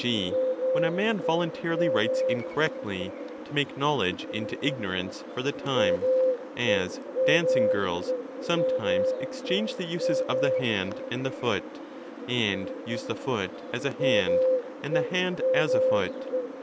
g. when a man voluntarily writes incorrectly, to make knowledge into ignorance for the time, as dancing girls sometimes ex change the uses of the hand and the foot,® and use the foot 35 as a hand and the hand as a foot.